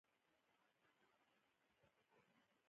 ازادي راډیو د کرهنه په اړه سیمه ییزې پروژې تشریح کړې.